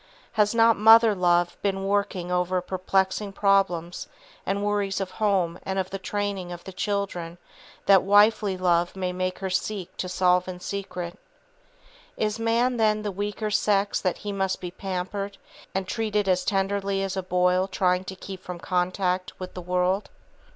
Has not mother love been working over perplexing problems and worries of home and of the training of the children that wifely love may make her seek to solve in secret? Is man, then, the weaker sex that he must be pampered and treated as tenderly as a boil trying to keep from contact with the world?